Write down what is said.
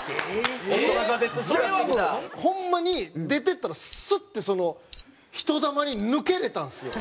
ホンマに出ていったらスッてその人だまり抜けれたんですよ。